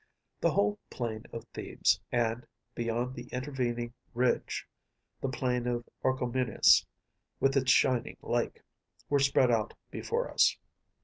The whole plain of Thebes, and, beyond the intervening ridge, the plain of Orchomenus, with its shining lake, were spread out before us.